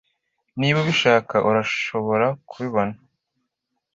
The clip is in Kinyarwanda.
Niba ubishaka urashobora kubibona